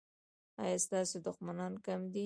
ایا ستاسو دښمنان کم دي؟